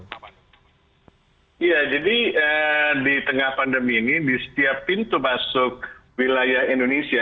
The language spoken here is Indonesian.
iya jadi di tengah pandemi ini di setiap pintu masuk wilayah indonesia